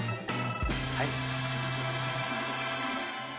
はい。